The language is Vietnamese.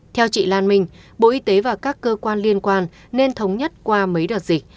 theo chị lan minh bộ y tế và các cơ quan liên quan nên thống nhất qua mấy đợt dịch